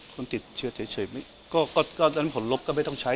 คนติดเชื้อเฉยก็นั้นผลลบก็ไม่ต้องใช้